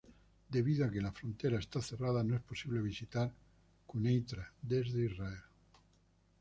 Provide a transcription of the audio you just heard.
Debido a que la frontera está cerrada, no es posible visitar Quneitra desde Israel.